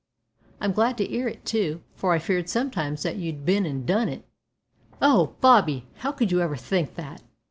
I'm glad to ear it too, for I feared sometimes that you'd bin an' done it." "Oh! Bobby, how could you ever think that!